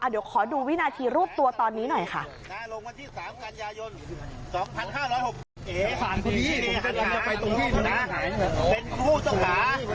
เดี๋ยวขอดูวินาทีรวบตัวตอนนี้หน่อยค่ะ